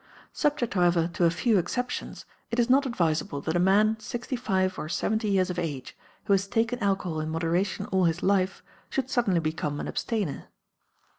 Subject, however, to a few exceptions, it is not advisable that a man sixty five or seventy years of age, who has taken alcohol in moderation all his life, should suddenly become an abstainer.